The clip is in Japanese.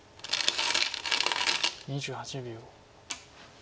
２８秒。